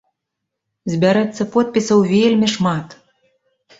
Збярэцца подпісаў вельмі шмат.